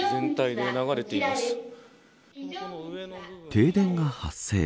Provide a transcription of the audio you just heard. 停電が発生。